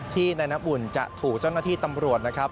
ที่นายน้ำอุ่นจะถูกเจ้าหน้าที่ตำรวจนะครับ